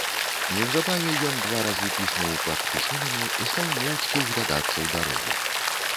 Неўзабаве ён два разы піснуў па-птушынаму і стаў моўчкі ўглядацца ў дарогу.